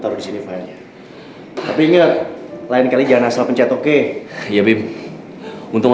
terima kasih banyak pak saya benar benar tersanjung